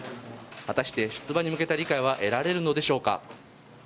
果たして、出馬に向けた理解は得られるのでしょうか。